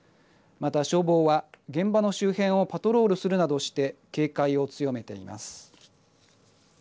また消防は、現場の周辺をパトロールするなどして警戒を強めています。